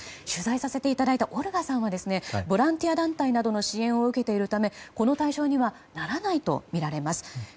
取材させていただいたオルガさんはボランティア団体などの支援を受けているためこの対象にはならないとみられます。